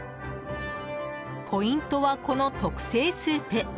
ポイントは、この特製スープ。